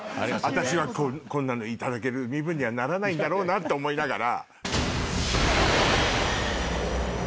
私はこんなのいただける身分にはならないんだろうなと思いながら。